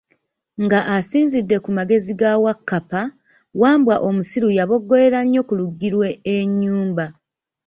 Nga asinzidde ku magezi ga Wakkappa, Wambwa omusiru yaboggolera nnyo ku luggi lwe enyumba.